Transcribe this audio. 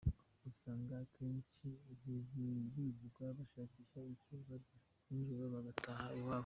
Usanga akenshi birirwa bashakisha icyo barya, nijoro bagataha iwabo.